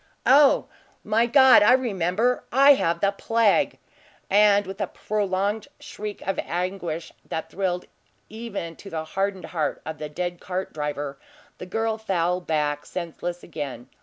"O, my God, I remember! I have the plague!" And, with a prolonged shriek of anguish, that thrilled even to the hardened heart of the dead cart driver, the girl fell back senseless again.